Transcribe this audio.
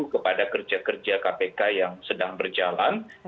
kepada kerja kerja kpk yang sedang berjalan